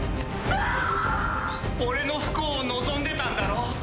俺の不幸を望んでたんだろ？